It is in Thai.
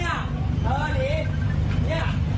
แม่ขี้หมาเนี่ยเธอดีเนี่ย